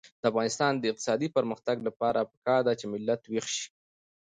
د افغانستان د اقتصادي پرمختګ لپاره پکار ده چې ملت ویښ شي.